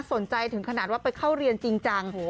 สนใจถึงขนาดว่าไปเข้าเรียนจริงจัง